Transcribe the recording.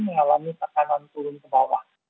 mengalami tekanan turun ke bawah